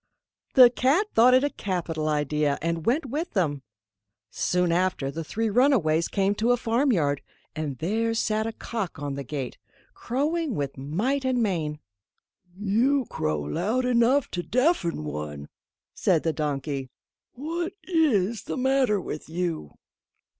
The cat thought it a capital idea, and went with them. Soon after the three runaways came to a farmyard, and there sat a cock on the gate, crowing with might and main. "You crow loud enough to deafen one," said the donkey; "what is the matter with you?"